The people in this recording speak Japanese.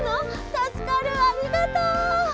たすかるありがとう！